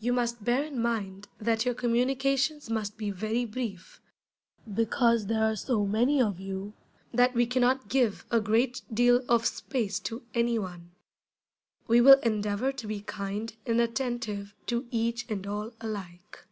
You must bear in mind that your communications must be very brief, because there are so many of you that we can not give a great deal of space to any one. We will endeavor to be kind and attentive to each and all alike.